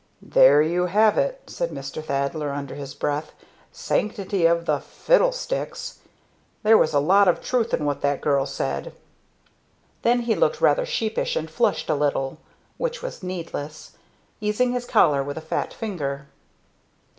"There you have it!" said Mr. Thaddler, under his breath. "Sanctity of the fiddlesticks! There was a lot of truth in what that girl said!" Then he looked rather sheepish and flushed a little which was needless; easing his collar with a fat finger.